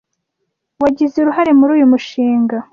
wagize uruhare muri uyu mushinga